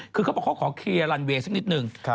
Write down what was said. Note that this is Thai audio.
คือเขาขอเคลียร์ลันเวย์ซึ่งนิดนึง